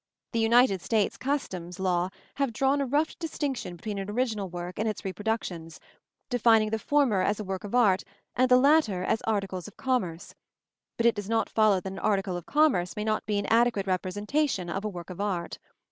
The United States customs laws have drawn a rough distinction between an original work and its reproductions, defining the former as a work of art and the latter as articles of commerce; but it does not follow that an article of commerce may not be an adequate representation of a work of art.